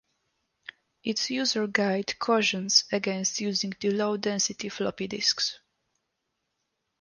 Its user guide cautions against using the low-density floppy disks.